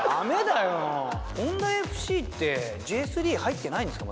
ホンダＦＣってＪ３入ってないんですか？